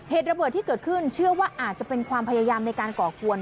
เหตุระเบิดที่เกิดขึ้นเชื่อว่าอาจจะเป็นความพยายามในการก่อกวน